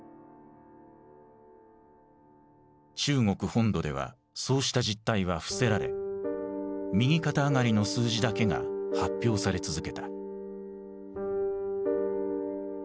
中国本土ではそうした実態は伏せられ右肩上がりの数字だけが発表され続けた。